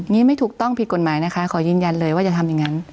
นี่ไม่ถูกต้องผิดกฎหมายนะคะขอยืนยันเลยว่าจะทำอย่างนั้น